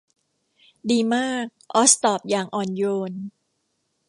ดีมากออซตอบอย่างอ่อนโยน